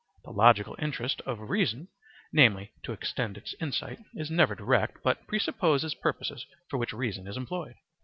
The logical interest of reason (namely, to extend its insight) is never direct, but presupposes purposes for which reason is employed.